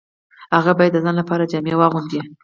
هغه باید د ځان لپاره جامې واغوندي